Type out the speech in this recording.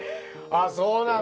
あそうなんだ。